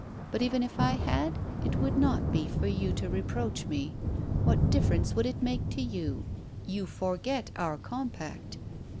But even if I had, it would not be for you to reproach me. What difference would it make to you? You forget our compact."